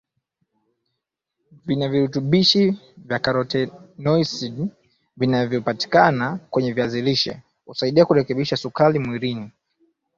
vinavirutubishi vya karotenoids vinavyopatikana kwenye viazi lishe husaidia kurekebisha sukari mwilini